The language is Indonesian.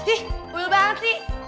ih mulut banget sih